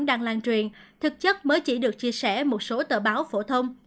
đang lan truyền thực chất mới chỉ được chia sẻ một số tờ báo phổ thông